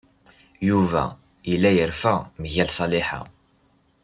Yuba yella yerfa mgal Ṣaliḥa.